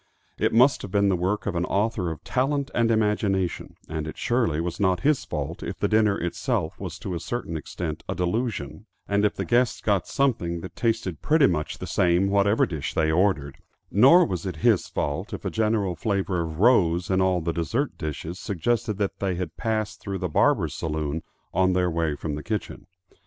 It must have been the work of an author of talent and imagination, and it surely was not his fault if the dinner itself was to a certain extent a delusion, and if the guests got something that tasted pretty much the same whatever dish they ordered; nor was it his fault if a general flavor of rose in all the dessert dishes suggested that they had passed through the barber's saloon on their way from the kitchen.